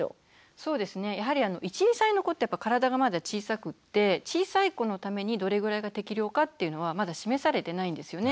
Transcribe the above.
そうですねやはり１２歳の子って体がまだ小さくって小さい子のためにどれぐらいが適量かっていうのはまだ示されてないんですよね。